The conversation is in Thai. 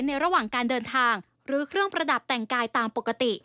ระหว่างการเดินทางหรือเครื่องประดับแต่งกายตามปกติ